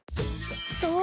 そう！